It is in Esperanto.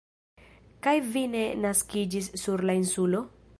Kaj vi ne naskiĝis sur la lnsulo?